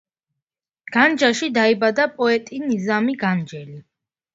განჯაში დაიბადა პოეტი ნიზამი განჯელი.